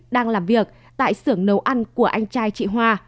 đang làm việc tại xưởng nấu ăn của anh trai chị hoa